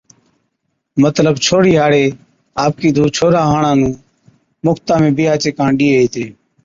مطلب ڇوھرِي ھاڙي آپَڪِي ڌُو ڇوھَرا ھاڙان نُون مفتا ۾ بِيھا چي ڪاڻ ڏِيئي ھِتي